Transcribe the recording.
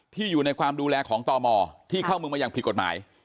อยู่ในความดูแลของตมที่เข้าเมืองมาอย่างผิดกฎหมาย